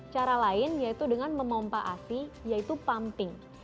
cara lain yaitu dengan memompa asi yaitu pumping